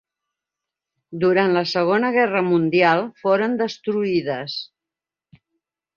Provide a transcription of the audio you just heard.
Durant la Segona Guerra Mundial foren destruïdes.